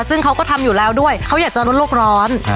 ซึ่งเขาก็ทำอยู่แล้วด้วยเขาอยากจะลดโลกร้อน